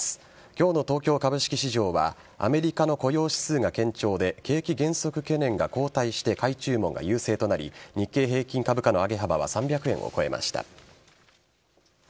今日の東京株式市場はアメリカの雇用指数が堅調で景気減速懸念が後退して買い注文が優勢となり日経平均株価の上げ幅は３００円を超えました。